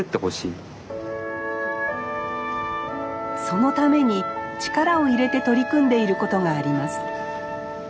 そのために力を入れて取り組んでいることがあります。